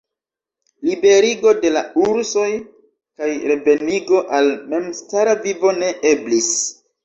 Liberigo de la ursoj kaj revenigo al memstara vivo ne eblis.